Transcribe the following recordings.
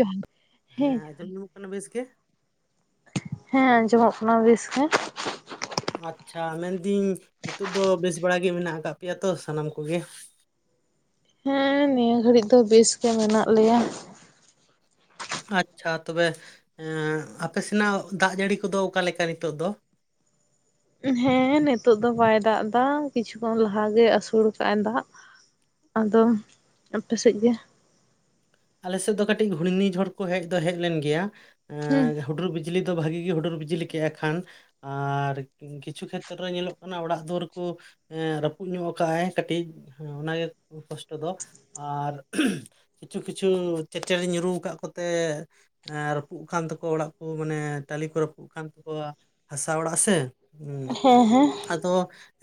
ᱡᱚᱦᱟᱨ, ᱦᱮᱸ ᱡᱚᱦᱟᱨ᱾ ᱢᱟᱱᱮ ᱵᱮᱥ ᱜᱮ᱾ ᱦᱮᱸ ᱟᱸᱡᱚᱢᱚᱜ ᱠᱟᱱᱟ ᱵᱮᱥ ᱜᱮ᱾ ᱟᱪᱪᱷᱟ, ᱢᱮᱱᱫᱤᱹᱧ ᱱᱤᱛᱳᱜ ᱫᱚ ᱵᱮᱥ ᱵᱟᱲᱟᱜ ᱜᱮ, ᱢᱮᱱᱟᱜ ᱠᱟᱜ ᱯᱮᱭᱟ ᱛᱚ ᱥᱟᱱᱟᱢ ᱠᱚᱜᱮ? ᱦᱮᱸ ᱱᱤᱭᱟᱹ ᱜᱷᱟᱹᱲᱤᱡ ᱫᱚ, ᱵᱮᱥ ᱜᱮ ᱢᱮᱱᱟᱜ ᱞᱮᱭᱟ᱾ ᱟᱪᱪᱷᱟ ᱛᱚᱵᱮ, ᱟᱸ ᱟᱯᱮ ᱥᱮᱱᱟᱜ ᱫᱟᱜᱡᱟᱹᱲᱤ ᱠᱚᱫᱚ, ᱚᱠᱟᱞᱮᱠᱟ ᱱᱤᱛᱚᱜ ᱫᱚ? ᱦᱮᱸ ᱱᱤᱛᱚᱜ ᱫᱚ ᱵᱟᱭ ᱫᱟᱜ ᱫᱟ, ᱠᱤᱪᱷᱩᱠᱷᱚᱱ ᱞᱟᱦᱟ ᱜᱮ ᱟᱹᱥᱳᱲ ᱠᱟᱜᱼᱟ ᱫᱟᱜ᱾ ᱟᱫᱚ ᱟᱯᱮ ᱥᱮᱜ ᱜᱮ? ᱟᱞᱮᱥᱮᱫ ᱫᱚ ᱠᱟᱹᱴᱤᱡ ᱜᱷᱩᱨᱱᱤ ᱡᱷᱚᱲ ᱠᱚ, ᱦᱮᱡ ᱫᱚ ᱦᱮᱡ ᱞᱮᱱ ᱜᱮᱭᱟ, ᱦᱮᱸ ᱮᱸ ᱦᱩᱰᱩᱨ ᱵᱤᱡ ᱵᱤᱡᱽᱞᱤ ᱫᱚ ᱵᱷᱟᱜᱮ ᱜᱮ, ᱦᱩᱰᱩᱨ ᱵᱤᱡᱽᱞᱤ ᱠᱮᱜᱼᱟ ᱠᱷᱟᱱ᱾ ᱟᱨ ᱠᱤᱪᱷᱩ ᱠᱷᱮᱛᱨᱮ ᱨᱮ, ᱧᱮᱞᱚᱜ ᱠᱟᱱᱟ ᱚᱲᱟᱜ ᱫᱩᱣᱟᱹᱨ ᱠᱚ ᱮ ᱨᱟᱹᱯᱩᱫ ᱧᱚᱜ ᱠᱟᱜᱼᱟᱭ, ᱠᱟᱹᱴᱤᱡ ᱚᱱᱟᱜᱮ ᱠᱚᱥᱴᱚ ᱫᱚ᱾ ᱟᱨ ᱠᱤᱪᱷᱩ ᱠᱤᱪᱷᱩ, ᱪᱮᱴᱟᱹᱨᱤᱧ ᱧᱩᱨᱩᱢ ᱠᱟᱫ ᱠᱚᱛᱮ ᱮᱸ ᱨᱟᱹᱯᱩᱫ ᱠᱟᱱ ᱛᱟᱠᱚᱣᱟ ᱚᱲᱟᱜ ᱠᱚ, ᱢᱟᱱᱮ ᱴᱟᱞᱮ ᱠᱚ ᱨᱟᱹᱯᱩᱫ ᱠᱟᱱ ᱛᱟᱠᱚᱣᱟ, ᱦᱟᱥᱟ ᱚᱲᱟᱜ ᱥᱮ᱾ ᱦᱮᱸ ᱟᱫᱚ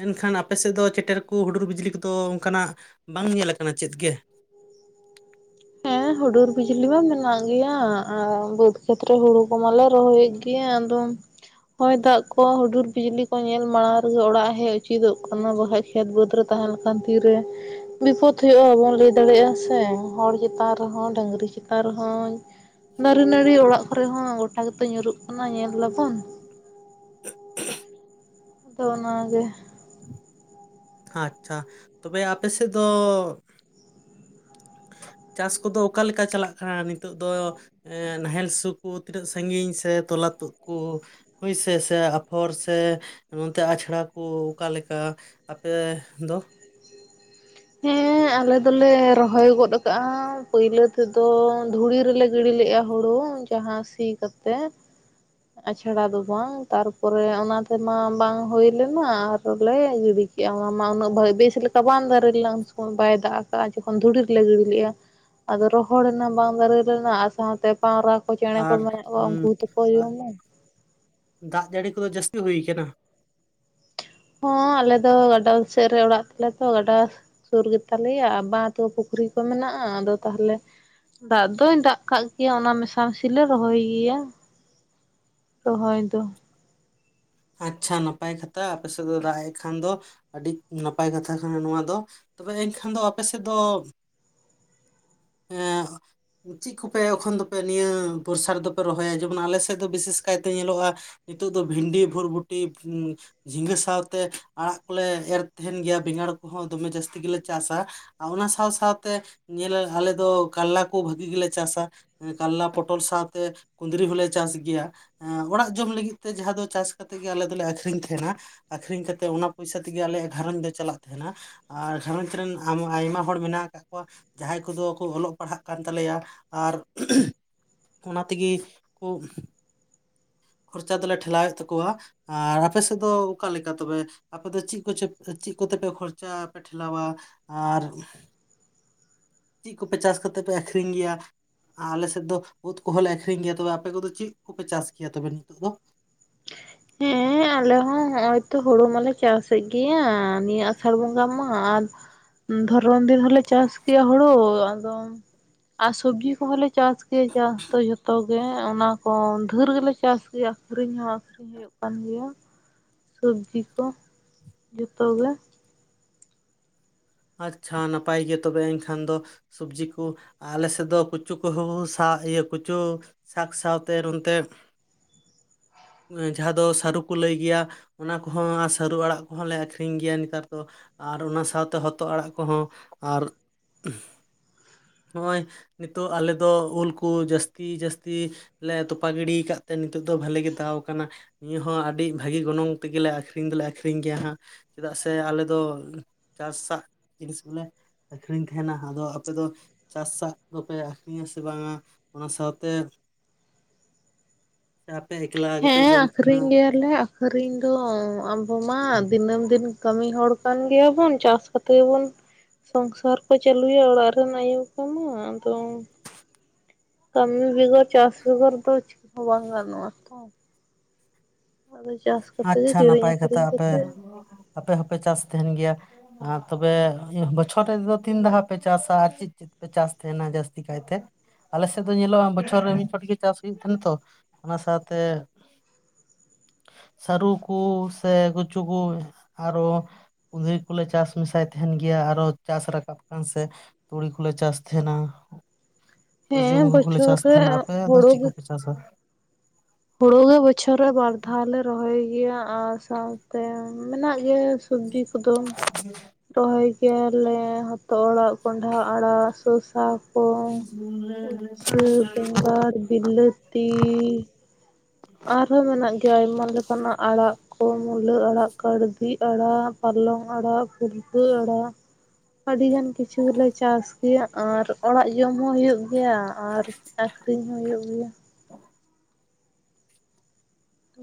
ᱮᱱᱠᱷᱟᱱ ᱟᱯᱮ ᱥᱮᱫ ᱫᱚ, ᱪᱮᱴᱮᱨ ᱠᱚ ᱦᱩᱰᱩᱨ ᱵᱤᱡᱽᱞᱤ ᱠᱚᱫᱚ, ᱚᱱᱠᱟᱱᱟᱜ ᱵᱟᱝ ᱧᱮ ᱠᱟᱱᱟ ᱪᱮᱫ ᱜᱮ? ᱦᱮᱸ ᱦᱩᱰᱩᱨ ᱵᱤᱡᱽᱞᱤ ᱢᱟ ᱢᱮᱱᱟᱜ ᱜᱮᱭᱟ, ᱟᱨ ᱵᱟᱹᱫᱽ ᱠᱷᱮᱛᱨᱮ ᱦᱳᱲᱩ ᱠᱚᱢᱟᱞᱮ ᱨᱚᱦᱚᱭᱮᱫ ᱜᱮᱭᱟ ᱟᱫᱚᱢ᱾ ᱦᱚᱭ ᱫᱟᱜ ᱠᱚ ᱦᱩᱰᱩᱨ ᱵᱤᱡᱽᱞᱤ ᱠᱚ, ᱧᱮᱞ ᱢᱟᱲᱟᱝ ᱨᱮᱜᱮ ᱚᱲᱟᱜ ᱦᱮᱡ, ᱩᱪᱤᱛᱚᱜ ᱠᱟᱱᱟ ᱵᱟᱠᱟᱷᱡ ᱠᱷᱮᱛ ᱵᱟᱹᱫᱽ ᱨᱮ ᱛᱟᱦᱮᱸ ᱞᱮᱠᱷᱟᱱ, ᱛᱤᱨᱮ ᱵᱤᱯᱚᱫ ᱦᱳᱭᱩᱜ-ᱟ, ᱵᱟᱵᱚᱱ ᱞᱟᱹᱭ ᱫᱟᱲᱮᱜ-ᱟ ᱥᱮ᱾ ᱦᱚᱲ ᱪᱮᱛᱟᱱ ᱨᱮᱦᱚᱸ, ᱰᱟᱹᱝᱨᱤ ᱪᱮᱛᱟᱱ ᱨᱮᱦᱚᱸ᱾ ᱫᱟᱨᱮ ᱱᱟᱹᱲᱤ ᱚᱲᱟᱜ ᱠᱚᱨᱮ ᱦᱚᱸ, ᱜᱚᱴᱟ ᱜᱮᱛᱚ ᱧᱩᱨᱩᱜ ᱠᱟᱱᱟ ᱧᱮᱞ ᱫᱟᱵᱚᱱ᱾ ᱛᱚ ᱚᱱᱟ ᱜᱮ᱾ ᱟᱪᱪᱷᱟ, ᱛᱚᱵᱮ ᱟᱯᱮ ᱥᱮᱫ ᱫᱚ? ᱪᱟᱥ ᱠᱚᱫᱚ ᱚᱠᱟᱮ ᱞᱮᱠᱟ, ᱪᱟᱞᱟᱜ ᱠᱟᱱᱟ ᱱᱤᱛᱚᱜ ᱫᱚ? ᱱᱟᱦᱮᱞ ᱥᱳᱜ ᱠᱚ ᱛᱤᱱᱟᱹᱜ ᱥᱟᱺᱜᱤᱧ ᱥᱮ, ᱛᱚᱞᱟ ᱛᱳᱫ ᱠᱚ? ᱦᱳᱭ ᱥᱮ-ᱥᱮ ᱟᱯᱷᱚᱨ ᱥᱮ, ᱱᱚᱱᱛᱮ ᱟᱪᱲᱟ ᱠᱚ ᱚᱠᱟ ᱞᱮᱠᱟ? ᱟᱯᱮ ᱫᱚ? ᱦᱮᱸ ᱟᱞᱮ ᱫᱚᱞᱮ ᱨᱚᱦᱚᱭ ᱜᱚᱫ ᱠᱟᱜᱼᱟ, ᱯᱟᱹᱭᱞᱟᱹ ᱛᱮᱫᱚ ᱫᱷᱩᱲᱤ ᱨᱮᱞᱮ ᱜᱤᱲᱤ ᱞᱮᱜᱼᱟ, ᱦᱳᱲᱳ ᱡᱟᱸᱦᱟ ᱥᱤ ᱠᱟᱛᱮ᱾ ᱟᱪᱷᱟᱲᱟ ᱫᱚ ᱵᱟᱝ, ᱛᱟᱨᱯᱚᱨᱮ ᱚᱱᱟ ᱛᱮᱢᱟ ᱵᱟᱝ ᱦᱳᱭ ᱞᱮᱱᱟ, ᱟᱨᱚᱞᱮ ᱜᱤᱲᱤ ᱠᱮᱫᱟ᱾ ᱠᱮᱜᱼᱟ, ᱚᱱᱟ ᱢᱟ ᱩᱱᱟᱹᱜ ᱵᱮᱥ ᱞᱮᱠᱟ ᱵᱟᱝᱢ ᱫᱟᱨᱮ ᱞᱮᱱᱟ, ᱩᱱ ᱥᱚᱢᱚᱭ ᱵᱟᱭ ᱫᱟᱜ ᱠᱟᱜ-ᱟ ᱡᱚᱠᱷᱚᱱ ᱫᱷᱩᱲᱤ ᱨᱮ ᱞᱮ ᱜᱤᱲᱤ ᱞᱮ-ᱟ᱾ ᱟᱫᱚ ᱨᱚᱦᱚᱲᱮᱱᱟ ᱵᱟᱝ ᱫᱟᱨᱮ ᱞᱮᱱᱟᱜ ᱥᱟᱶᱛᱮ ᱯᱟᱣᱨᱟ ᱠᱚ ᱪᱮᱬᱮ ᱠᱚ ᱟᱨ ᱢᱮᱱᱟᱜ ᱠᱚᱣᱟ ᱩᱸ ᱩᱱᱠᱩ ᱜᱮᱛᱚ ᱠᱚ ᱟᱨ ᱡᱚᱢᱟ᱾ ᱫᱟᱜ ᱡᱟᱹᱲᱤ ᱠᱚᱫᱚ ᱡᱟᱹᱥᱛᱤ ᱦᱩᱭ ᱟᱠᱟᱱᱟ᱾ ᱦᱚᱸ ᱟᱞᱮ ᱫᱚ ᱜᱟᱰᱟ ᱥᱮᱫ ᱨᱮ ᱚᱲᱟᱜ ᱛᱟᱞᱮ ᱛᱚ ᱜᱟᱰᱟ ᱥᱩᱨ ᱜᱮᱛᱟᱞᱮᱭᱟ ᱵᱟᱸᱫᱽ [inaudible] ᱯᱩᱠᱷᱨᱤ ᱠᱚ ᱢᱮᱱᱟᱜ-ᱟ ᱟᱫᱚ ᱛᱟᱦᱚᱞᱮ ᱫᱟᱜ ᱫᱚᱭ ᱫᱟᱜ ᱠᱟᱜ ᱜᱮᱭᱟ ᱚᱱᱟ ᱢᱮᱥ ᱢᱮᱤᱥᱤᱞ ᱞᱮ ᱨᱚᱦᱚᱭ ᱜᱮᱭᱟ᱾ ᱨᱚᱦᱚᱭ ᱫᱚ᱾ ᱟᱪᱪᱷᱟ ᱱᱟᱯᱟᱭ ᱠᱟᱛᱷᱟ ᱟᱯᱮ ᱥᱮᱫ ᱫᱚ ᱫᱟᱜ ᱮᱡ ᱠᱷᱟᱱ ᱫᱚ ᱟᱹᱰᱤ ᱱᱟᱯᱟᱭ ᱠᱟᱛᱷᱟ ᱠᱟᱱᱟ ᱱᱚᱣᱟ ᱫᱚ᱾ ᱛᱚᱵᱮ ᱮᱱᱠᱷᱟᱱ ᱫᱚ ᱟᱯᱮ ᱥᱮᱫ ᱫᱚ ᱮ᱾ ᱪᱮᱫ ᱠᱚᱯᱮ ᱮᱠᱷᱚᱱ ᱫᱚᱯᱮ ᱱᱤᱭᱟᱹ ᱵᱚᱨᱥᱟ ᱨᱮᱫᱚ ᱯᱮ ᱨᱚᱦᱚᱭᱟ ᱡᱮᱢᱚᱱ ᱟᱞᱮᱥᱮᱫ ᱫᱚ ᱵᱤᱥᱮᱥ ᱠᱟᱭᱛᱮ ᱧᱮᱞᱚᱜ-ᱟ᱾ ᱱᱤᱛᱳᱜ ᱫᱚ ᱵᱷᱤᱱᱰᱤ, ᱵᱷᱩᱨᱵᱩᱴᱤ, [inaudible] ᱡᱷᱤᱸᱜᱟᱹ ᱥᱟᱶᱛᱮ ᱟᱲᱟᱜ ᱠᱚᱞᱮ ᱮᱨ ᱛᱟᱦᱮᱱ ᱜᱮᱭᱟ ᱵᱮᱸᱜᱟᱲ ᱠᱚᱦᱚᱸ ᱫᱚᱢᱮ ᱡᱟᱹᱥᱛᱤ ᱜᱮᱞᱮ ᱪᱟᱥ-ᱟ᱾ ᱟᱨ ᱚᱱᱟ ᱥᱟᱶ ᱥᱟᱶᱛᱮ ᱧᱮᱞ ᱟᱞᱮ ᱫᱚ ᱠᱟᱞᱞᱟ ᱠᱚ ᱵᱷᱟᱹᱜᱤ ᱜᱮᱞᱮ ᱪᱟᱥᱟ᱾ ᱮᱸ ᱠᱟᱞᱞᱟ ᱯᱚᱴᱚᱞ ᱥᱟᱶᱛᱮ ᱠᱩᱸᱫᱽᱨᱤ ᱦᱚᱸᱞᱮ ᱪᱟᱥ ᱜᱮᱭᱟ ᱮᱸᱜ ᱚᱲᱟᱜ ᱡᱚᱢ ᱞᱟᱹᱜᱤᱫ ᱛᱮ ᱡᱟᱸᱦᱟᱸ ᱫᱚ ᱪᱟᱥ ᱠᱟᱛᱮᱜ ᱜᱮ ᱟᱞᱮ ᱫᱚᱞᱮ ᱟᱠᱷᱨᱤᱧ ᱛᱮᱦᱮᱸᱱᱟ ᱟᱠᱷᱨᱤᱧ ᱠᱟᱛᱮᱫ ᱚᱱᱟ ᱯᱚᱭᱥᱟ ᱛᱤᱜᱤ ᱟᱞᱮᱭᱟᱜ ᱜᱷᱟᱨᱚᱸᱡᱽ ᱫᱚ ᱪᱟᱞᱟᱜ ᱛᱮᱦᱮᱸᱱᱟ᱾ ᱟᱨ ᱜᱷᱟᱨᱚᱸᱡᱽ ᱨᱮᱱ ᱟᱢ ᱟᱭᱢᱟ ᱦᱚᱲ ᱢᱮᱱᱟᱜ ᱟᱠᱟᱜ ᱠᱚᱣᱟ᱾ ᱡᱟᱸᱦᱟᱸᱭ ᱠᱚᱫᱚ ᱠᱚ ᱚᱞᱚᱜ ᱯᱟᱲᱦᱟᱜ ᱠᱟᱱ ᱛᱟᱞᱮᱭᱟ ᱟᱨ [inaudible] ᱚᱱᱟ ᱛᱤᱜᱤ ᱠᱩ ᱠᱷᱚᱨᱪᱟ ᱫᱚᱞᱮ ᱴᱷᱮᱞᱟᱣᱮᱫ ᱛᱟᱠᱚᱣᱟ ᱟᱨ ᱟᱯᱮ ᱥᱮᱫ ᱫᱚ ᱚᱠᱟ ᱞᱮᱠᱟ ᱛᱚᱵᱮ? ᱟᱯᱮ ᱫᱚ ᱪᱤᱫ ᱠᱚᱪᱚ ᱪᱤᱫ ᱠᱚᱛᱮᱯᱮ ᱠᱷᱚᱨᱪᱟ ᱯᱮ ᱴᱷᱮᱞᱟᱣᱟ ᱟᱨ ᱪᱤᱫ ᱠᱩᱯᱮ ᱪᱟᱥ ᱠᱟᱛᱮᱫ ᱯᱮ ᱟᱠᱷᱨᱤᱧ ᱜᱮᱭᱟ? ᱟᱞᱮ ᱥᱮᱫ ᱫᱚ ᱩᱫ ᱠᱚᱦᱚᱸ ᱞᱮ ᱟᱠᱷᱨᱤᱧ ᱜᱮᱭᱟ ᱛᱚᱵᱮ ᱟᱯᱮ ᱠᱚᱫᱚ ᱪᱤᱫ ᱠᱚᱯᱮ ᱪᱟᱥ ᱜᱮᱭᱟ ᱛᱚᱵᱮ ᱱᱤᱛᱚᱜ ᱫᱚ? ᱦᱮᱸ ᱟᱞᱮ ᱦᱚᱸ ᱦᱚᱸᱜᱼᱚᱭ ᱛᱚ ᱦᱩᱲᱩ ᱢᱟᱞᱮ ᱪᱟᱥᱮᱫ ᱜᱮᱭᱟ ᱱᱤᱭᱟᱹ ᱟᱥᱟᱲ ᱵᱚᱸᱜᱟ ᱢᱟ ᱟᱨ ᱫᱷᱚᱨᱚᱱ ᱫᱤᱱ ᱦᱚᱞᱮ ᱪᱟᱥ ᱜᱮᱭᱟ ᱦᱩᱲᱩ ᱟᱫᱚ ᱟᱨ ᱥᱚᱵᱽᱡᱤ ᱠᱚᱦᱚᱸᱞᱮ ᱪᱟᱥ ᱜᱮᱭᱟ ᱪᱟᱥ ᱫᱚ ᱡᱷᱚᱛᱚ ᱜᱮ ᱚᱱᱟ ᱠᱚ ᱫᱷᱟᱹᱨ ᱜᱮᱞᱮ ᱪᱟᱥ ᱜᱮᱭᱟ᱾ ᱟᱠᱷᱨᱤᱧ ᱦᱚᱸ ᱟᱠᱷᱨᱤᱧ ᱦᱩᱭᱩᱜ ᱠᱟᱱ ᱜᱮᱭᱟ ᱥᱚᱵᱽᱡᱤ ᱠᱚ ᱡᱚᱛᱚ ᱜᱮ᱾ ᱟᱪᱪᱷᱟ ᱱᱟᱯᱟᱭ ᱜᱮ ᱛᱚᱵᱮ ᱮᱱᱠᱷᱟᱱ ᱫᱚ᱾ ᱥᱚᱵᱽᱡᱤ ᱠᱩ ᱟᱞᱮ ᱥᱮᱫ ᱫᱚ ᱠᱩᱪᱩ ᱠᱚᱦᱚᱸ ᱥᱟ ᱤᱭᱟᱹ ᱠᱩᱪᱩ ᱥᱟᱠ ᱥᱟᱶᱛᱮᱨ ᱚᱱᱛᱮ ᱡᱟᱸᱦᱟᱸ ᱫᱚ ᱥᱟᱹᱨᱩ ᱠᱚ ᱞᱟᱹᱭ ᱜᱮᱭᱟ ᱚᱱᱟ ᱠᱚ ᱦᱚᱸ ᱟᱨ ᱥᱟᱹᱨᱩ ᱟᱲᱟᱜ ᱠᱚᱦᱚᱸ ᱞᱮ ᱟᱠᱷᱨᱤᱧ ᱜᱮᱭᱟ ᱱᱮᱛᱟᱨ ᱫᱚ᱾ ᱟᱨ ᱚᱱᱟ ᱥᱟᱶᱛᱮ ᱦᱚᱛᱚᱫ ᱟᱲᱟᱜ ᱠᱚᱦᱚᱸ ᱟᱨ, ᱱᱚᱜᱼᱚᱭ ᱱᱤᱛᱚᱜ ᱟᱞᱮ ᱫᱚ ᱳᱞ ᱠᱚ ᱡᱟᱹᱥᱛᱤ ᱡᱟᱹᱥᱛᱤ ᱞᱮ ᱛᱚᱯᱟ ᱜᱤᱰᱤᱭ ᱠᱟᱫ ᱛᱮ ᱱᱤᱛᱚᱜ ᱫᱚ ᱵᱷᱟᱞᱮ ᱜᱮ ᱫᱟᱣ ᱠᱟᱱᱟ᱾ ᱱᱤᱭᱟᱹ ᱦᱚᱸ ᱟᱹᱰᱤ ᱵᱷᱟᱹᱜᱤ ᱜᱚᱱᱚᱝ ᱛᱮᱜᱮᱞᱮ ᱟᱠᱷᱨᱤᱧ ᱫᱚᱞᱮ ᱟᱠᱷᱨᱤᱧ ᱜᱮᱭᱟ ᱦᱟᱸᱜ᱾ ᱪᱮᱫᱟᱜ ᱥᱮ ᱟᱞᱮ ᱫᱚ ᱪᱟᱥᱟᱜ ᱡᱤᱱᱤᱥ ᱵᱚᱞᱮ ᱟᱹᱠᱷᱨᱤᱧ ᱛᱮᱦᱮᱸᱱᱟ ᱟᱫᱚ ᱟᱯᱮ ᱫᱚ ᱪᱟᱥ ᱟᱜ ᱫᱚᱯᱮ ᱟᱠᱷᱨᱤᱧ ᱟᱥᱮ ᱵᱟᱝ-ᱟ ᱚᱱᱟ ᱥᱟᱶᱛᱮ ᱥᱮ ᱟᱯᱮ ᱮᱠᱞᱟ ᱜᱮᱯᱮ ᱡᱚᱢ ᱛᱮᱦᱮᱸᱱᱟ? ᱟᱞᱮ ᱟᱠᱷᱨᱤᱧ ᱫᱚ ᱟᱵᱚ ᱢᱟ ᱫᱤᱱᱟᱹᱢ ᱫᱤᱱ ᱠᱟᱹᱢᱤ ᱦᱚᱲ ᱠᱟᱱ ᱜᱮᱭᱟᱵᱚᱱ ᱪᱟᱥ ᱠᱟᱛᱮ ᱵᱚᱱ ᱥᱚᱝᱥᱟᱨ ᱠᱚ ᱪᱟᱹᱞᱩᱭᱟ ᱚᱲᱟᱜ ᱨᱮᱱ ᱟᱭᱩ ᱠᱚ ᱢᱟ ᱟᱫᱚ ᱠᱟᱹᱢᱤ ᱵᱮᱜᱚᱨ ᱪᱟᱥ ᱵᱮᱜᱚᱨ ᱫᱚ ᱪᱮᱫ ᱦᱚᱸ ᱵᱟᱝ ᱜᱟᱱᱚᱜᱼᱟ ᱛᱚ᱾ ᱟᱫᱚ ᱪᱟᱥ ᱠᱟᱛᱮ ᱜᱮ ᱟᱪᱪᱷᱟ ᱠᱤᱨᱤᱧ ᱱᱟᱯᱟᱭ ᱠᱟᱛᱷᱟ ᱟᱹᱠᱷᱨᱤᱧ ᱟᱯᱮ, ᱠᱟᱛᱮᱜ ᱟᱯᱮ ᱦᱚᱸᱯᱮ ᱪᱟᱥ ᱛᱮᱦᱮᱸᱱ ᱜᱮᱭᱟ᱾ ᱟᱨ ᱛᱚᱵᱮ ᱵᱚᱪᱷᱚᱨ ᱨᱮᱫᱚ ᱛᱤᱱ ᱫᱷᱟᱣ ᱯᱮ ᱪᱟᱥᱟ ᱟᱨ ᱪᱤᱫ ᱪᱤᱫ ᱯᱮ ᱪᱟᱥ ᱛᱮᱦᱮᱸᱱᱟ ᱡᱟᱥᱛᱤ ᱠᱟᱭᱛᱮ? ᱟᱞᱮ ᱥᱮᱫ ᱫᱚ ᱧᱮᱞᱚᱜᱼᱟ ᱵᱚᱪᱷᱚᱨ ᱨᱮ ᱢᱤᱫ ᱪᱷᱚᱴ ᱜᱮ ᱪᱟᱥ ᱦᱩᱭᱩᱜ ᱛᱮᱦᱮᱸᱱᱟ ᱛᱚ ᱚᱱᱟ ᱥᱟᱶᱛᱮ ᱥᱟᱹᱨᱩ ᱠᱩ ᱥᱮ ᱠᱩᱪᱩ ᱠᱩ ᱟᱨᱚ ᱠᱩᱸᱫᱽᱨᱤ ᱠᱚᱞᱮ ᱪᱟᱥ ᱢᱮᱥᱟᱭ ᱛᱟᱦᱮᱸᱱ ᱜᱮᱭᱟ᱾ ᱟᱨᱚ ᱪᱟᱥ ᱨᱟᱠᱟᱵ ᱠᱟᱱ ᱥᱮ ᱛᱩᱲᱤ ᱠᱩᱞᱮ ᱪᱟᱥ ᱛᱮᱦᱮᱸᱱᱟ ᱥᱩᱨᱡᱳ ᱦᱮᱸ ᱢᱩᱠᱷᱤ ᱠᱚᱞᱮ ᱵᱚᱪᱷᱚᱨ ᱪᱟᱥ ᱨᱮ ᱛᱮᱦᱮᱸᱱᱟ ᱟᱯᱮ ᱫᱚ ᱪᱮᱫ ᱠᱚᱯᱮ ᱪᱟᱥ-ᱟ? ᱦᱳᱲᱳ ᱜᱮ ᱵᱚᱪᱷᱚᱨ ᱨᱮ ᱵᱟᱨ ᱫᱷᱟᱣ ᱞᱮ ᱨᱚᱦᱚᱭ ᱜᱮᱭᱟ ᱟᱨ ᱥᱟᱣᱛᱮ ᱢᱮᱱᱟᱜ ᱜᱮᱭᱟ᱾ ᱥᱚᱵᱽᱡᱤ ᱠᱚᱫᱚ ᱨᱚᱦᱚᱭ ᱜᱮᱭᱟ ᱞᱮ ᱦᱚᱛᱚᱫ ᱟᱲᱟᱜ, ᱠᱚᱸᱱᱰᱦᱟ ᱟᱲᱟᱜ ᱥᱚᱥᱟ᱾ ᱠᱚ, ᱩᱪᱪᱷᱟᱹ, ᱵᱮᱸᱜᱟᱲ, ᱵᱤᱞᱟᱹᱛᱤ᱾ ᱟᱨᱦᱚᱸ ᱢᱮᱱᱟᱜ ᱜᱮᱭᱟ ᱟᱭᱢᱟ ᱞᱮᱠᱟ ᱱᱟᱜ ᱟᱲᱟᱜ᱾ ᱠᱚ ᱢᱩᱞᱟᱹ ᱟᱲᱟᱜ, ᱠᱟᱲᱫᱤ ᱟᱲᱟᱜ, ᱯᱟᱞᱚᱝ ᱟᱲᱟᱜ, ᱯᱩᱞᱠᱟᱹ ᱟᱲᱟᱜ᱾ ᱟᱹᱰᱤ ᱜᱟᱱ ᱠᱤᱪᱷᱩ ᱜᱮᱞᱮ ᱪᱟᱥ ᱜᱮᱭᱟ ᱟᱨ ᱚᱲᱟᱜ ᱡᱚᱢ ᱦᱚᱸ ᱦᱩᱭᱩᱜ ᱜᱮᱭᱟ᱾ ᱟᱨ ᱟᱹᱠᱷᱨᱤᱧ ᱦᱚᱸ ᱦᱳᱭᱳᱜ ᱜᱮᱭᱟ᱾ [inaudible]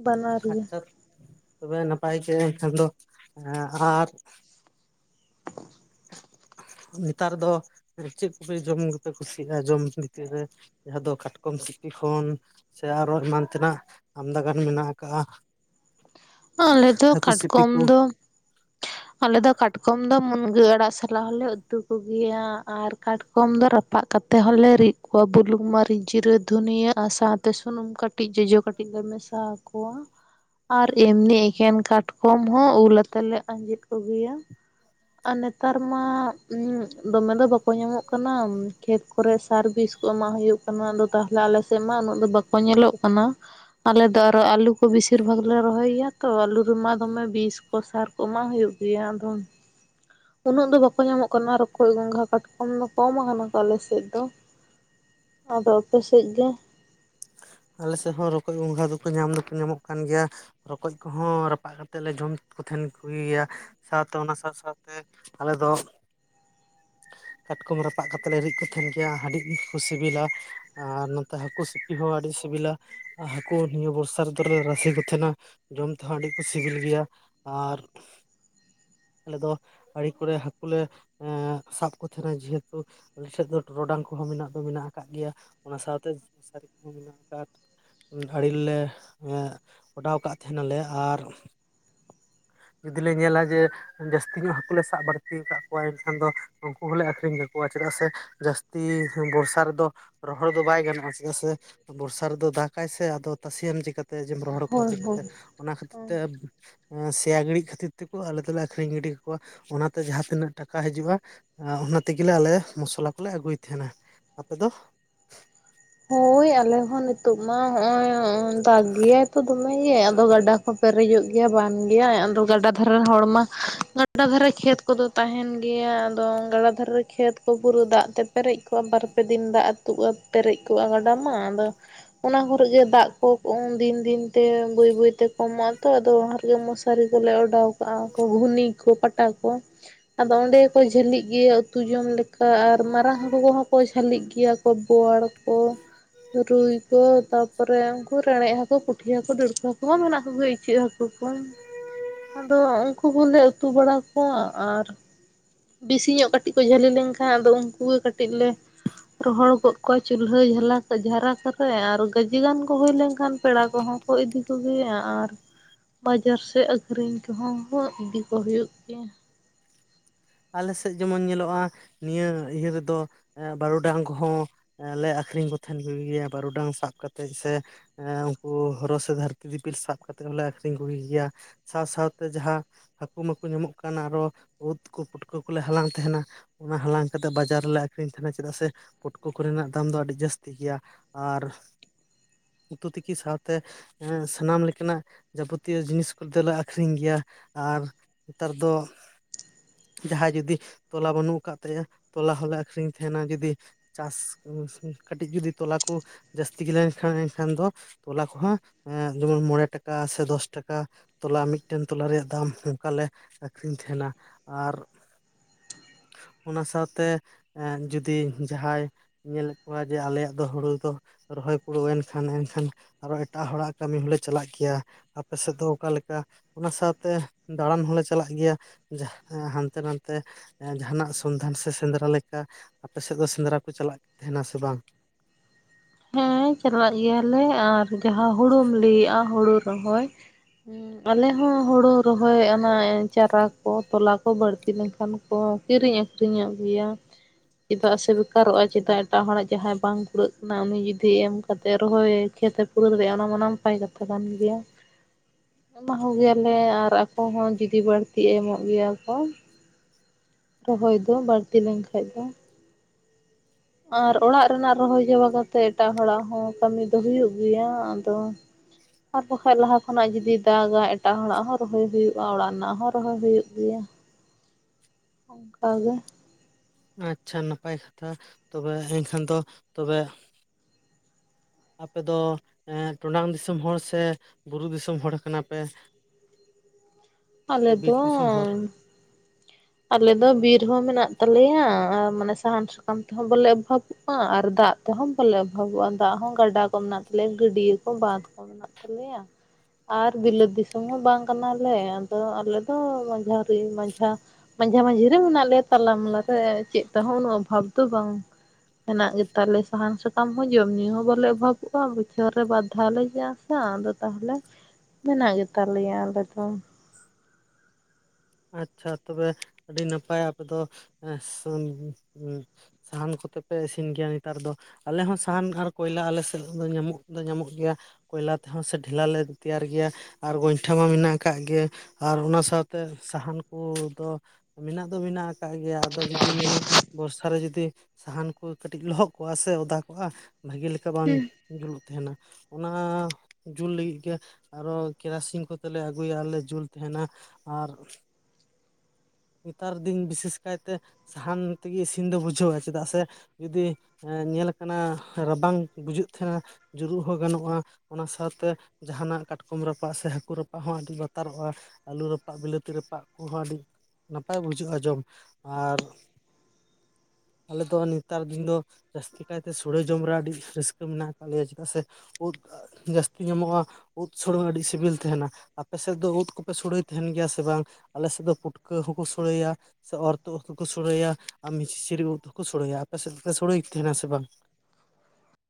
ᱵᱟᱱᱟᱨ ᱜᱮ ᱟᱪᱪᱷᱟ ᱛᱚᱵᱮ ᱱᱟᱯᱟᱭ ᱜᱮ ᱮᱱᱠᱷᱟᱱ ᱫᱚ ᱟᱨ ᱱᱮᱛᱟᱨ ᱫᱚ ᱪᱮᱫ ᱠᱚᱯᱮ ᱡᱚᱢ ᱜᱮᱯᱮ ᱠᱩᱥᱤᱜᱼᱟ ᱡᱚᱢ ᱵᱷᱤᱛᱤᱨ ᱨᱮ? ᱡᱟᱦᱟ ᱫᱚ ᱠᱟᱴᱠᱚᱢ ᱥᱤᱯᱤ ᱠᱷᱚᱱ᱾ ᱥᱮ ᱟᱨᱚ ᱮᱢᱟᱱ ᱛᱮᱱᱟᱜ ᱟᱢᱫᱟ ᱜᱟᱱ ᱢᱮᱱᱟᱜ ᱠᱟᱜ-ᱟ ᱾ ᱟᱞᱮ ᱫᱚ ᱠᱟᱴᱠᱚᱢ ᱠᱚ ᱫᱚ [inaudible] ᱟᱞᱮ ᱫᱚ ᱠᱟᱴᱠᱚᱢ ᱫᱚ ᱢᱩᱱᱜᱟᱹ ᱟᱲᱟᱜ ᱥᱟᱞᱟᱜ ᱦᱚᱸ ᱞᱮ ᱩᱛᱩ ᱠᱚ ᱜᱮᱭᱟ᱾ ᱟᱨ ᱠᱟᱴ ᱠᱚᱢ ᱫᱚ ᱨᱟᱯᱟᱜ ᱠᱟᱛᱮ ᱦᱚᱸᱞᱮ ᱨᱤᱫ ᱠᱚᱣᱟ ᱵᱩᱞᱩᱝ ᱢᱟᱹᱨᱤᱪ, ᱡᱤᱨᱟᱹ, ᱫᱷᱩᱱᱤᱭᱟᱹ ᱟᱨ ᱥᱟᱣ ᱛᱮ ᱥᱩᱱᱩᱢ ᱠᱟᱹ ᱴᱤᱡ ᱡᱚᱡᱚ ᱠᱟᱹᱴᱤᱡ ᱞᱮ ᱢᱮᱥᱟ ᱟᱠᱚᱣᱟ᱾ ᱟᱨ ᱮᱢᱱᱤ ᱮᱠᱮᱱ ᱠᱟᱴᱠᱚᱢ ᱦᱚᱸ ᱩᱞ ᱟᱛᱮᱫ ᱞᱮ ᱟᱸᱡᱮᱫ ᱠᱚ ᱜᱮᱭᱟ ᱾ ᱟᱨ ᱱᱮᱛᱟᱨ ᱢᱟ ᱩᱸᱻ ᱫᱚᱢᱮ ᱫᱚ ᱵᱟᱠᱚ ᱧᱟᱢᱚᱜ ᱠᱟᱱᱟ ᱾ ᱠᱷᱮᱛ ᱠᱚᱨᱮ ᱥᱟᱨ ᱵᱤᱥ ᱠᱚ ᱮᱢᱟᱜ ᱦᱳᱭᱳᱜ ᱠᱟᱱᱟ᱾ ᱟᱫᱚ ᱛᱟᱦᱚᱞᱮ ᱟᱞᱮ ᱥᱮᱫ ᱢᱟ ᱩᱱᱟᱹᱜ ᱫᱚ ᱵᱟᱠᱚ ᱧᱮᱞᱚᱜ ᱠᱟᱱᱟ ᱾ ᱟᱞᱮ ᱫᱚ ᱟᱨᱚ ᱟᱞᱩ ᱠᱚ ᱵᱮᱥᱤᱨ ᱵᱷᱟᱜᱽ ᱞᱮ ᱨᱚᱦᱚᱭ ᱜᱮᱭᱟ ᱛᱚ ᱟᱞᱩ ᱨᱮᱢᱟ ᱫᱚᱢᱮ ᱵᱤᱥ ᱠᱚ ᱥᱟᱨ ᱠᱚ ᱮᱢ ᱦᱳᱭᱳᱜ ᱜᱮᱭᱟ ᱟᱫᱚ ᱾ ᱩᱱᱟᱹᱜ ᱫᱚ ᱵᱟᱠᱚ ᱧᱟᱢᱚᱜ ᱠᱟᱱᱟ ᱨᱚᱠᱚᱡ, ᱜᱚᱝᱜᱷᱟ ᱠᱟᱴᱠᱚᱢ ᱫᱚ ᱠᱚᱢ ᱠᱟᱱᱟ ᱠᱚ ᱟᱞᱮ ᱥᱮᱫ ᱫᱚ᱾ ᱟᱫᱚ ᱟᱯᱮ ᱥᱮᱫ ᱜᱮ? ᱟᱞᱮ ᱥᱮᱫ ᱦᱚᱸ ᱨᱚᱠᱚᱡ ᱜᱚᱸᱝᱜᱷᱟ ᱫᱚᱠᱚ ᱧᱟᱢ ᱫᱚᱠᱚ ᱧᱟᱢᱚᱜ ᱠᱟᱱ ᱜᱮᱭᱟ ᱾ ᱨᱚᱠᱚᱡ ᱠᱚᱦᱚᱸ ᱨᱟᱯᱟᱜ ᱠᱟᱛᱮᱫ ᱞᱮ ᱡᱚᱢᱮᱫ ᱠᱚ ᱛᱟᱦᱮᱱ ᱠᱚ ᱜᱮᱭᱟ ᱥᱟᱣ ᱛᱮ ᱚᱱᱟ ᱥᱟᱣ ᱥᱟᱛᱮ ᱟᱞᱮ ᱫᱚ ᱠᱟᱴᱠᱚᱢ ᱨᱟᱯᱟᱜ ᱠᱟᱛᱮᱫ ᱞᱮ ᱨᱤᱫ ᱠᱚ ᱛᱟᱦᱮᱱ ᱜᱮᱭᱟ᱾ ᱟᱰᱤ ᱠᱚ ᱥᱤᱵᱤᱞᱟ ᱟᱨ ᱱᱚᱛᱮ ᱦᱟᱹᱠᱩ ᱥᱤᱯᱤ ᱦᱚᱸ ᱟᱰᱤ ᱥᱤ ᱵᱤᱞᱟ ᱦᱟᱹᱠᱩ ᱱᱤᱭᱟᱹ ᱵᱚᱨᱥᱟ ᱨᱮ ᱫᱚ ᱞᱮ ᱨᱟᱥᱮ ᱠᱚ ᱛᱟᱦᱮᱱᱟ ᱾ ᱡᱚᱢ ᱛᱮᱦᱚᱸ ᱟᱹᱰᱤ ᱠᱚ ᱥᱤᱵᱤᱞ ᱜᱮᱭᱟ᱾ ᱟᱨ ᱟᱞᱮ ᱫᱚ ᱟᱹᱭᱤ ᱠᱚᱨᱮ ᱦᱟᱹᱠᱩ ᱞᱮ ᱮᱸᱻ ᱥᱟᱵ ᱠᱚ ᱛᱟᱦᱮᱱᱟ ᱡᱮᱦᱮᱛᱩ ᱟᱞᱮ ᱥᱮᱫ ᱫᱚ ᱰᱚᱨᱚᱰᱟᱝ ᱠᱚᱦᱚᱸ ᱢᱮᱱᱟᱜ ᱫᱚ ᱢᱮᱱᱟᱜ ᱠᱟᱜ ᱜᱮᱭᱟ ᱾ ᱚᱱᱟ ᱥᱟᱣ ᱛᱮ ᱢᱚᱥᱟᱨᱤ ᱠᱚᱦᱚᱸ ᱢᱮᱱᱟᱜ-ᱟ᱾ ᱟᱨ ᱟᱲᱮ ᱨᱮ ᱞᱮ ᱮᱸᱻ ᱚᱰᱟᱣ ᱠᱟᱜ ᱛᱟᱦᱮᱱᱟ ᱞᱮ ᱟᱨ ᱡᱩᱫᱤ ᱞᱮ ᱧᱮᱞᱟ ᱡᱮ ᱡᱟᱹᱥᱛᱤ ᱧᱚᱜ ᱦᱟᱹᱠᱩ ᱞᱮ ᱥᱟᱵ ᱵᱟᱹᱲᱛᱤ ᱠᱟᱫ ᱠᱚᱣᱟ ᱮᱱᱠᱷᱟᱱ ᱫᱚ ᱩᱱᱠᱩ ᱦᱚᱸ ᱞᱮ ᱟᱹᱠᱷᱨᱤᱧ ᱠᱟᱠᱚᱣᱟ᱾ ᱪᱮᱫᱟᱜ ᱥᱮ ᱡᱟᱹᱥ ᱛᱤ ᱵᱚᱨᱥᱟ ᱨᱮᱫᱚ ᱨᱚᱦᱚᱲ ᱫᱚ ᱵᱟᱭ ᱜᱟᱱᱚᱜ-ᱟ᱾ ᱪᱮᱫᱟᱜ ᱥᱮ ᱵᱚᱨᱥᱟ ᱨᱮᱫᱚ ᱫᱟᱜ ᱟᱭ ᱥᱮ ᱟᱫᱚ ᱛᱟᱥᱮᱭᱟᱢ ᱪᱤᱠᱟᱹ ᱛᱮ ᱡᱮᱢ ᱨᱚᱦᱚᱲ ᱠᱚᱣᱟ ᱦᱳᱭ ᱪᱤᱠᱟᱹ ᱛᱮ ᱦᱳᱭ ᱚᱱᱟ ᱠᱷᱟᱹᱛᱤᱨ ᱦᱳᱭ ᱛᱮ ᱥᱮᱭᱟ ᱜᱤᱲᱤᱡ ᱠᱷᱟᱹᱛᱤᱨ ᱛᱮᱠᱚ ᱟᱞᱮ ᱫᱚ ᱞᱮ ᱟᱹᱠᱷᱨᱤᱧ ᱜᱤᱰᱤ ᱠᱟᱠᱚᱣᱟ᱾ ᱚᱱᱟ ᱛᱮ ᱡᱟᱦᱟ ᱛᱤᱱᱟᱹᱜ ᱴᱟᱠᱟ ᱦᱤᱡᱩᱜ-ᱟ᱾ ᱚᱱᱟ ᱛᱮᱜᱮ ᱞᱮ ᱟᱞᱮ ᱢᱚᱥᱞᱟ ᱠᱚᱞᱮ ᱟᱹᱜᱩᱭ ᱛᱟᱦᱮᱸᱱᱟ, ᱟᱯᱮ ᱫᱚ? ᱦᱳᱭ ᱟᱞᱮ ᱦᱚᱸ ᱱᱤᱛᱳᱜ ᱢᱟ ᱦᱚᱜ-ᱚᱭ ᱫᱟᱜ ᱜᱮᱭᱟᱭ, ᱛᱚ ᱫᱚᱢᱮ ᱜᱮ ᱟᱫᱚ ᱜᱟᱰᱟ ᱠᱚ ᱯᱮᱨᱮᱡᱚᱜ ᱜᱮᱭᱟ, ᱵᱟᱱ ᱜᱮᱭᱟ ᱟᱫᱚ ᱜᱟᱰᱟ ᱫᱷᱟᱨᱮ ᱦᱚᱲᱢᱟ [unintelligible] ᱜᱟᱰᱟ ᱫᱷᱟᱨᱮ ᱠᱷᱮᱛᱽ ᱠᱚᱫᱚ ᱛᱟᱦᱮᱱ ᱜᱮᱭᱟ, ᱟᱫᱚ ᱜᱟᱰᱟ ᱫᱷᱟᱨᱮ ᱨᱮ ᱠᱷᱮᱛᱽ ᱠᱚ ᱯᱩᱨᱟᱹ ᱫᱟᱜ ᱛᱮ ᱯᱮᱨᱮᱡ ᱠᱚᱜ-ᱟ ᱵᱟᱨ ᱯᱮ ᱫᱤᱱ, ᱫᱟᱜ ᱟᱛᱩᱜ-ᱟ ᱯᱮᱨᱮᱡ ᱠᱚᱜ-ᱟ ᱜᱟᱰᱟ ᱢᱟ ᱟᱫᱚ ᱚᱱᱟ ᱠᱚᱨᱮ ᱜᱮ ᱫᱟᱜ ᱠᱚ ᱫᱤᱱ ᱫᱤᱱ ᱛᱮ ᱵᱟᱹᱭ ᱵᱟᱹᱭ ᱛᱮ ᱠᱚᱢᱚᱜ-ᱟ ᱛᱚ, ᱟᱫᱚ ᱚᱱᱟ ᱨᱮᱜᱮ ᱢᱚᱥ ᱥᱟᱨᱤ ᱚᱰᱟᱣ ᱠᱟᱜᱼᱟ ᱜᱷᱩᱱᱤ ᱠᱚ ᱯᱟᱴᱟ ᱠᱚ, ᱟᱫᱚ ᱚᱸᱰᱮ ᱠᱚ ᱡᱷᱟᱹᱞᱤᱜ ᱜᱮᱭᱟ ᱩᱛᱩ ᱡᱚᱢ ᱞᱮᱠᱟ, ᱟᱨ ᱢᱟᱨᱟᱝ ᱦᱟᱹᱠᱩ ᱠᱚᱦᱚᱸ ᱠᱚ ᱡᱷᱟᱹᱞᱤᱜ ᱜᱮᱭᱟ ᱠᱚ ᱵᱳᱣᱟᱲ ᱾ [inaudible] ᱨᱩᱭ ᱠᱚ ᱛᱟᱯᱚᱨᱮ ᱩᱱᱠᱩ ᱨᱮᱲᱮᱡ ᱦᱟᱠᱳ ᱯᱩᱴᱷᱤ ᱦᱟᱠᱳ ᱰᱟᱸᱬᱠᱟᱹ ᱦᱟᱠᱳ ᱢᱟ ᱠᱚᱜᱮ ᱤᱪᱟᱹᱜ ᱦᱟᱠᱳ ᱠᱚ ᱾ ᱟᱫᱚ ᱩᱱᱠᱩ ᱠᱚᱞᱮ ᱩᱛᱩ ᱵᱟᱲᱟ ᱠᱚᱣᱟ ᱟᱨ ᱼᱼ ᱵᱮᱥᱤ ᱧᱚᱜ ᱠᱟᱹᱴᱤᱡ ᱠᱚ ᱡᱷᱟᱹᱞᱤ ᱞᱮᱱᱠᱷᱟᱱ, ᱟᱫᱚ ᱩᱱᱠᱩ ᱜᱮ ᱠᱟᱹᱴᱤᱡ ᱞᱮ ᱨᱚᱦᱚᱲ ᱜᱚᱫ ᱠᱚᱣᱟ ᱪᱩᱞᱦᱟᱹ ᱡᱷᱟᱞᱟ ᱡᱷᱟᱨᱟ ᱠᱚᱨᱮ ᱟᱨ ᱜᱟᱡᱮ ᱜᱟᱱ ᱠᱚ ᱦᱳᱭ ᱞᱮᱱᱠᱷᱟᱱ ᱯᱮᱲᱟ ᱠᱚᱦᱚᱸ ᱠᱚ ᱤᱫᱤ ᱠᱚᱜᱮ ᱟᱨ ᱼᱼ ᱵᱟᱡᱟᱨ ᱥᱮᱫ ᱟᱹᱠᱷᱨᱤᱧ ᱠᱚᱦᱚᱸ ᱤᱫᱤ ᱠᱚ ᱦᱳᱭᱳᱜ ᱜᱮᱭᱟ ᱾ ᱟᱞᱮ ᱥᱮᱫ ᱡᱮᱢᱚᱱ ᱧᱮᱞᱚᱜ-ᱟ, ᱱᱤᱭᱟᱹ ᱤᱭᱟᱹ ᱨᱮᱫᱚ ᱵᱟᱨᱩᱰᱟᱝ ᱠᱚᱦᱚᱸ ᱞᱮ ᱟᱠᱷᱨᱤᱧ ᱠᱚ ᱛᱟᱦᱮᱸᱱ ᱠᱚ ᱜᱮᱭᱟ ᱵᱟᱨᱩᱰᱟᱝ ᱥᱟᱵ ᱠᱟᱛᱮᱫ ᱥᱮ ᱮ ᱩᱱᱠᱩ ᱦᱚᱨᱚ ᱥᱮ ᱫᱷᱟᱹᱨᱛᱤ ᱫᱤᱯᱤᱞ ᱥᱟᱵ ᱠᱟᱛᱮᱜ ᱦᱚᱸᱞᱮ ᱟᱠᱷᱨᱤᱧ ᱠᱚᱜᱤ ᱜᱮᱭᱟ ᱾ ᱥᱟᱶ ᱥᱟᱸᱣᱛᱮ ᱡᱟᱦᱟᱸ ᱦᱟᱹᱠᱩ ᱢᱟᱠᱚ ᱧᱟᱢᱚᱜ ᱠᱟᱱᱟ, ᱟᱨᱚ ᱩᱫ ᱠᱚ ᱯᱩᱴᱠᱟᱹ ᱠᱚᱞᱮ ᱦᱟᱞᱟᱝ ᱛᱟᱦᱮᱸᱱᱟ᱾ ᱚᱱᱟ ᱦᱟᱞᱟᱝ ᱠᱟᱛᱮᱜ ᱵᱟᱡᱟᱨ ᱨᱮᱞᱮ ᱟᱠᱷᱨᱤᱧ ᱛᱟᱦᱮᱸᱱᱟ, ᱪᱮᱫᱟᱜ ᱥᱮ ᱯᱩᱴᱠᱚ ᱠᱚ ᱨᱮᱱᱟᱜ ᱫᱟᱢ ᱫᱚ ᱟᱰᱤ ᱡᱟᱹᱥᱛᱤ ᱜᱮᱭᱟ᱾ ᱟᱨ, ᱩᱛᱩ ᱛᱤᱠᱤ ᱥᱟᱣᱛᱮ ᱦᱮᱸ ᱥᱟᱱᱟᱢ ᱞᱮᱠᱟᱱᱟᱜ ᱡᱟᱵᱚᱛᱤᱭᱚ ᱡᱤᱱᱤᱥ ᱠᱚᱫᱚᱞᱮ ᱟᱠᱷᱨᱤᱧ ᱜᱮᱭᱟ᱾ ᱟᱨ ᱱᱮᱛᱟᱨ ᱫᱚ ᱡᱟᱦᱟᱸᱭ ᱡᱩᱫᱤ ᱛᱚᱞᱟ ᱵᱟᱹᱱᱩᱜ ᱟᱠᱟᱫ ᱛᱟᱭᱟ, ᱛᱚᱞᱟ ᱦᱚᱞᱮ ᱟᱠᱷᱨᱤᱧ ᱛᱟᱦᱮᱸᱱᱟ᱾ ᱡᱩᱫᱤ ᱪᱟᱥ ᱠᱟᱹᱴᱤᱡ ᱡᱩᱫᱤ ᱛᱚᱞᱟ ᱠᱩ ᱡᱟᱹᱥᱛᱤ ᱜᱮ ᱞᱮᱠᱷᱟᱱ ᱮᱱᱠᱷᱟᱱ ᱫᱚ ᱛᱚᱞᱟ ᱠᱚᱦᱚᱸ ᱡᱮᱢᱚᱱ ᱢᱚᱸᱬᱮ ᱴᱟᱠᱟ ᱥᱮ ᱫᱚᱥ ᱴᱟᱠᱟ ᱛᱚᱞᱟ ᱢᱤᱫᱴᱮᱱ ᱛᱚᱞᱟ ᱨᱮᱭᱟᱜ ᱫᱟᱢ ᱚᱝᱠᱟᱞᱮ ᱟᱠᱷᱨᱤᱧ ᱛᱟᱦᱮᱸᱱᱟ᱾ ᱟᱨ ᱚᱱᱟ ᱥᱟᱣᱛᱮ ᱡᱩᱫᱤ ᱡᱟᱦᱟᱭ ᱧᱮᱞᱮᱫ ᱠᱚᱣᱟ ᱡᱮ ᱟᱞᱮᱭᱟᱜ ᱫᱚ ᱦᱳᱲᱳ ᱫᱚ ᱨᱚᱦᱚᱭ ᱯᱩᱨᱟᱹᱣᱮᱱ ᱠᱷᱟᱱ, ᱮᱱᱠᱷᱟᱱ ᱟᱨᱚ ᱮᱴᱟᱜ ᱦᱚᱲᱟᱜ ᱠᱟᱢᱤ ᱦᱚᱞᱮ ᱪᱟᱞᱟᱜ ᱜᱮᱭᱟ᱾ ᱟᱯᱮ ᱥᱮᱫ ᱫᱚ ᱚᱠᱟ ᱞᱮᱠᱟ? ᱚᱱᱟ ᱥᱟᱶᱛᱮ ᱫᱟᱬᱟᱱ ᱦᱚᱸᱞᱮ ᱪᱟᱞᱟᱜ ᱜᱮᱭᱟ᱾ ᱡᱟᱦ, ᱦᱟᱱᱛᱮ ᱱᱟᱱᱛᱮ ᱡᱟᱦᱟᱱᱟᱜ ᱥᱚᱱᱫᱷᱟᱱ ᱥᱮᱸᱫᱽᱨᱟ ᱞᱮᱠᱟ, ᱟᱯᱮ ᱥᱮᱫ ᱫᱚ ᱥᱮᱸᱫᱽᱨᱟ ᱠᱚ ᱪᱟᱞᱟᱜ ᱛᱟᱦᱮᱸᱱᱟ ᱥᱮ ᱵᱟᱝ? ᱦᱮᱸ ᱪᱟᱞᱟᱜ ᱜᱮᱭᱟᱞᱮ, ᱟᱨ ᱡᱟᱦᱟᱸ ᱦᱳᱲᱳᱢ ᱞᱟᱹᱭᱮᱜ-ᱟ, ᱦᱳᱲᱳ ᱨᱚᱦᱚᱭ᱾ ᱟᱞᱮ ᱦᱚᱸ ᱦᱳᱲᱳ ᱨᱚᱦᱚᱭ, ᱚᱱᱟ ᱪᱟᱨᱟ ᱠᱚ ᱛᱚᱞᱟ ᱠᱚ ᱵᱟᱲᱛᱤ ᱞᱮᱱᱠᱷᱟᱱ ᱠᱚ ᱠᱤᱨᱤᱧ ᱟᱠᱷᱨᱤᱧᱚᱜ ᱜᱮᱭᱟ, ᱪᱮᱫᱟᱜ ᱥᱮ ᱵᱮᱠᱟᱨᱚᱜ-ᱟ, ᱪᱮᱫᱟᱜ ᱮᱴᱟᱜ ᱦᱚᱲᱟᱜ ᱡᱟᱦᱟᱸᱭ ᱵᱟᱝ ᱯᱩᱨᱟᱹᱜ ᱚᱱᱟ ᱩᱱᱤ ᱡᱩᱫᱤ ᱮᱢ ᱠᱟᱛᱮ ᱨᱚᱦᱚᱭ ᱠᱷᱮᱛᱮ ᱯᱩᱨᱟᱹᱣ ᱫᱟᱲᱮᱭᱟᱜ-ᱟ᱾ ᱚᱱᱟ ᱢᱟ ᱱᱟᱯᱟᱭ ᱠᱟᱛᱷᱟ ᱠᱟᱱ ᱜᱮᱭᱟ᱾ ᱮᱢᱟ ᱠᱚ ᱜᱮᱭᱟᱞᱮ, ᱟᱨ ᱟᱠᱚ ᱦᱚᱸ ᱡᱩᱫᱤ ᱵᱟᱲᱛᱤ ᱮᱢᱚᱜ ᱜᱮᱭᱟ ᱠᱚ, ᱨᱚᱦᱚᱭ ᱫᱚ ᱵᱟᱲᱛᱤ ᱞᱮᱱᱠᱷᱟᱡ ᱫᱚ ᱟᱨ ᱚᱲᱟᱜ ᱨᱮᱱᱟᱜ ᱨᱚᱦᱚᱭ ᱪᱟᱵᱟ ᱠᱟᱛᱮᱫ, ᱮᱴᱟᱜ ᱦᱚᱲᱟᱜ ᱦᱚᱸ ᱠᱟᱢᱤ ᱫᱚ ᱦᱩᱭᱩᱜ ᱜᱮᱭᱟ᱾ ᱟᱨ ᱵᱟᱠᱷᱟᱡ ᱞᱟᱦᱟ ᱠᱷᱚᱱᱟᱜ ᱡᱩᱫᱤ ᱫᱟᱜᱟ, ᱮᱴᱟᱜ ᱦᱚᱲᱟᱜ ᱦᱚᱸ ᱨᱚᱦᱚᱭ ᱦᱩᱭᱩᱜ-ᱟ᱾ ᱚᱲᱟᱜ ᱨᱮᱱᱟᱜ ᱦᱚᱸ ᱨᱚᱦᱚᱭ ᱦᱩᱭᱩᱜ ᱜᱮᱭᱟ᱾ [inaudible] ᱚᱝᱠᱟᱜᱮ ᱟᱪᱪᱷᱟ ᱱᱟᱯᱟᱭ ᱠᱟᱛᱷᱟ, ᱛᱚᱵᱮ ᱮᱱᱠᱷᱟᱱ ᱫᱚ ᱛᱚᱵᱮ ᱟᱯᱮ ᱫᱚ ᱮᱸ ᱴᱚᱰᱟᱝ ᱫᱤᱥᱚᱢ ᱦᱚᱲ ᱥᱮ ᱵᱩᱨᱩ ᱫᱤᱥᱚᱢ ᱦᱚᱲ ᱠᱟᱱᱟ ᱯᱮ? ᱥᱮ ᱟᱞᱮ ᱵᱤᱨ ᱫᱚ ᱫᱤᱥᱚᱢ ᱦᱚᱲ ᱟᱞᱮ ᱫᱚ ᱵᱤᱨ ᱦᱚᱸ ᱢᱮᱱᱟᱜ ᱛᱟᱞᱮᱭᱟ ᱟᱨ ᱢᱟᱱᱮ ᱥᱟᱦᱟᱱ ᱥᱟᱠᱟᱢ ᱛᱮᱦᱚᱸ ᱵᱟᱞᱮ ᱚᱵᱷᱟᱵᱽ ᱵᱚᱜ-ᱟ ᱟᱨ ᱫᱟᱜ ᱛᱮᱦᱚᱸ ᱵᱟᱞᱮ ᱚᱵᱷᱟᱵᱚᱜᱼᱟ ᱫᱟᱜ ᱦᱚᱸ ᱜᱟᱰᱟ ᱠᱚ ᱢᱮᱱᱟᱜ ᱛᱟᱞᱮᱭᱟ ᱜᱟᱹᱰᱭᱟᱹ ᱠᱚ ᱵᱟᱸᱫ ᱠᱚ ᱦᱮᱱᱟᱜ ᱛᱟᱞᱮᱭᱟ᱾ ᱟᱨ ᱵᱤᱞᱟᱹᱛ ᱫᱤᱥᱚᱢ ᱦᱚᱸ ᱵᱟᱝ ᱠᱟᱱᱟᱞᱮ ᱟᱫᱚ ᱟᱞᱮ ᱫᱚ ᱢᱟᱡᱷᱟᱨᱤ ᱢᱟᱡᱷᱟ ᱢᱟᱡᱷᱟ ᱢᱟᱡᱷᱤ ᱨᱮ ᱢᱮᱱᱟᱜ ᱞᱮᱭᱟ ᱛᱟᱞᱟ ᱢᱟᱞᱟ ᱨᱮ ᱪᱮᱫ ᱛᱮᱦᱚᱸ ᱩᱱᱟᱹᱜ ᱚᱵᱷᱟᱵᱽ ᱫᱚ ᱵᱟᱝ᱾ ᱦᱮᱱᱟᱜ ᱜᱮᱛᱟᱞᱮ ᱥᱟᱦᱟᱱ ᱥᱟᱠᱟᱢ ᱦᱚᱸ ᱡᱚᱢ ᱧᱩ ᱦᱚᱸ ᱵᱟᱞᱮ ᱚᱵᱷᱟᱵᱚᱜᱼᱟ ᱵᱚᱪᱷᱚᱨ ᱨᱮ ᱵᱟᱫᱷᱟᱣ ᱞᱮ ᱪᱟᱥ ᱟᱫᱚ ᱛᱟᱦᱚᱞᱮ ᱢᱮᱱᱟᱜ ᱜᱮᱛᱟᱞᱮᱭᱟ ᱟᱞᱮ ᱫᱚ᱾ ᱟᱪᱪᱷᱟ ᱛᱚᱵᱮ ᱟᱹᱰᱤ ᱱᱟᱯᱟᱭ ᱟᱯᱮ ᱫᱚ ᱥᱟᱦᱟᱱ ᱠᱚᱛᱮᱯᱮ ᱤᱥᱤᱱ ᱜᱮᱭᱟ ᱱᱮᱛᱟᱨ ᱫᱚ, ᱟᱞᱮ ᱦᱚᱸ ᱥᱟᱦᱟᱱ ᱟᱨ ᱠᱚᱭᱞᱟ ᱟᱞᱮ ᱥᱮᱫ ᱫᱚ ᱧᱟᱢᱚᱜ ᱫᱚ ᱧᱟᱢᱚᱜ ᱜᱮᱭᱟ, ᱠᱚᱭᱞᱟ ᱛᱮᱦᱚᱸ ᱥᱮ ᱰᱷᱮᱞᱟ ᱞᱮ ᱛᱮᱭᱟᱨ ᱜᱮᱭᱟ, ᱟᱨ ᱜᱚᱭᱴᱷᱟ ᱢᱟ ᱢᱮᱱᱟᱜ ᱟᱠᱟᱫ ᱜᱮ ᱟᱨ ᱚᱱᱟ ᱥᱟᱶᱛᱮ ᱥᱟᱦᱟᱱ ᱠᱚᱫᱚ ᱢᱮᱱᱟᱜ ᱫᱚ ᱢᱮᱱᱟᱜ ᱟᱠᱟᱫ ᱜᱮᱭᱟ ᱟᱫᱚ ᱡᱩᱫᱤ ᱱᱤᱭᱟᱹ ᱵᱚᱨᱥᱟ ᱨᱮ ᱡᱩᱫᱤ ᱥᱟᱦᱟᱱ ᱠᱚ ᱠᱟᱹᱴᱤᱡ ᱞᱚᱦᱚᱜ ᱠᱚᱜ-ᱟ ᱥᱮ ᱚᱫᱟ ᱠᱚᱜᱼᱟ ᱵᱷᱟᱹᱜᱤ ᱞᱮᱠᱟ ᱵᱟᱝ ᱡᱩᱞᱩᱜ ᱛᱟᱦᱮᱱᱟ ᱾ ᱚᱱᱟ ᱡᱩᱞ ᱞᱟᱹᱜᱤᱫ ᱜᱮ ᱟᱨᱚ ᱠᱮᱨᱟᱥᱤᱢ ᱠᱚᱛᱮᱞᱮ ᱟᱹᱜᱩᱭᱟ ᱟᱨᱞᱮ ᱡᱩᱞ ᱛᱟᱦᱮᱟᱸᱱᱟ, ᱟᱨ ᱱᱮᱛᱟᱨ ᱫᱤᱱ ᱵᱤᱥᱮᱥ ᱠᱟᱭᱛᱮ ᱥᱟᱦᱟᱱ ᱛᱮᱜᱮ ᱤᱥᱤᱱ ᱫᱚ ᱵᱩᱡᱷᱟᱹᱣᱟ ᱪᱮᱫᱟᱜ ᱥᱮ ᱡᱩᱫᱤ ᱮᱸ ᱧᱮᱞ ᱠᱟᱱᱟ ᱨᱟᱵᱟᱝ ᱛᱮ ᱵᱩᱡᱩᱜ ᱛᱟᱦᱮᱱᱟ ᱡᱩᱨᱩᱜ ᱦᱚᱸ ᱜᱟᱱᱚᱜᱼᱟ ᱚᱱᱟ ᱥᱟᱶᱛᱮ ᱡᱟᱦᱟᱱᱟᱜ ᱠᱟᱴᱠᱚᱢ ᱨᱟᱯᱟᱜ ᱥᱮ ᱦᱟᱹᱠᱩ ᱨᱟᱯᱟᱜ ᱦᱚᱸ ᱟᱹᱰᱤ ᱵᱟᱛᱟᱨᱚᱜᱼᱟ ᱟᱹᱞᱩ ᱨᱟᱯᱟᱜ ᱵᱤᱞᱟᱹᱛᱤ ᱨᱟᱼᱼ ᱯᱟᱜ ᱠᱚ ᱦᱚᱸ ᱟᱹᱰᱤ ᱱᱟᱯᱟᱭ ᱵᱩᱡᱷᱟᱹᱜᱼᱟ ᱡᱚᱢ ᱟᱨ ᱟᱦᱞᱮ ᱫᱚ ᱱᱮᱛᱟᱨ ᱫᱤᱱ ᱫᱚ ᱡᱟᱹᱥᱛᱤ ᱠᱟᱭᱛᱮ ᱥᱳᱚᱲᱮ ᱡᱚᱢ ᱨᱮ ᱟᱹᱰᱤ ᱨᱟᱹᱥᱠᱟᱹ ᱢᱮᱱᱟᱜ ᱠᱟᱫ ᱞᱮᱭᱟ ᱪᱮᱫᱟᱜ ᱥᱮ ᱩᱫ ᱡᱟᱹᱥᱛᱤ ᱧᱟᱢᱚᱜᱼᱟ, ᱳᱫ ᱥᱳᱲᱮ ᱟᱹᱰᱤ ᱥᱤᱵᱤᱞ ᱛᱟᱦᱮᱱᱟ, ᱟᱯᱮ ᱥᱮᱫ ᱫᱚ ᱳᱫ ᱠᱚᱯᱮ ᱥᱳᱲᱮ ᱛᱟᱦᱮᱱ ᱜᱮᱭᱟ ᱥᱮ ᱵᱟᱝ? ᱟᱞᱮᱥᱮᱫ ᱫᱚ ᱯᱩᱴᱠᱟᱹ ᱦᱚᱸᱠᱚ ᱥᱳᱚᱲᱮᱭᱟ᱾ ᱥᱮ ᱚᱨ ᱛᱳᱫ ᱳᱫ ᱦᱚᱸᱠᱚ ᱥᱚᱲᱮᱭᱟ ᱟᱨ ᱢᱪᱤᱨᱤ ᱩᱫ‌ ᱦᱚᱸᱠᱚ ᱥᱚᱲᱮᱭᱟ ᱟᱯᱮ ᱥᱮᱫ ᱫᱚᱯᱮ ᱥᱚᱲᱮ ᱛᱟᱦᱮᱱᱟ ᱥᱮ ᱵᱟᱝ?